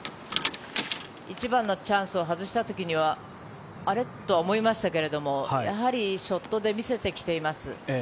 一番のチャンスを外した時には、あれ？とは思いましたけれども、ショットで見せてきています。